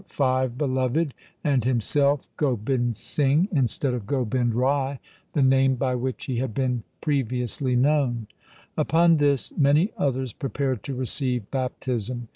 LIFE OF GURU GOBIND SINGH beloved, and himself Gobind Singh, instead of Gobind Rai, the name by which he had been previously known. Upon this many others prepared to receive bap tism.